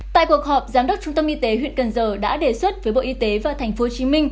tại cuộc họp giám đốc trung tâm y tế huyện cần giờ đã đề xuất với bộ y tế và tp hcm